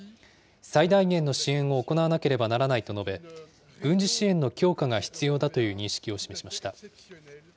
最大限の支援を行わなければならないと述べ、軍事支援の強化が必要だという認識を示しました。